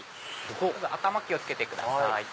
頭気を付けてください。